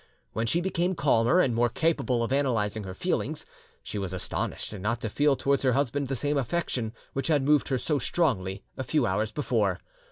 When she became calmer and more capable of analysing her feelings, she was astonished not to feel towards her husband the same affection which had moved her so strongly a few hours before.